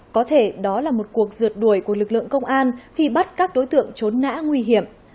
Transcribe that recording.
có thể đó là một cuộc rượt đuổi của lực lượng công an khi bắt các đối tượng trốn nã nguy hiểm